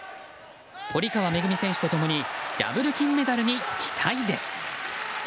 堀川恵選手と共にダブル金メダルに期待です。